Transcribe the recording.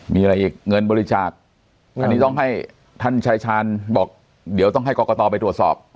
มีอะไรอีกเงินบริจาคอันนี้ต้องให้ท่านชายชาญบอกเดี๋ยวต้องให้กรกตไปตรวจสอบ